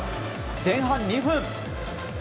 前半２分。